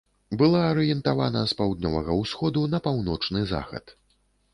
Была арыентавана з паўднёвага ўсходу на паўночны захад.